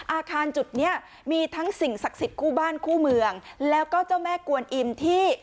อาคารจุดเนี้ยมีทั้งสิ่งศักดิ์สิทธิ์คู่บ้านคู่เมืองแล้วก็เจ้าแม่กวนอิ่มที่